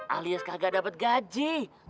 alias kagak dapet gaji